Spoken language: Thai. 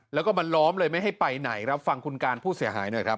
แล้วก็มาล้อมเลยไม่ให้ไปไหนครับฟังคุณการผู้เสียหายหน่อยครับ